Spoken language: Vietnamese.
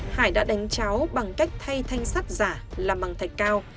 hải đã đánh cháo bằng cách thay thanh sắt giả làm bằng thạch cao